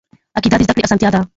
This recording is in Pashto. قاعده د زده کړي اسانتیا ده.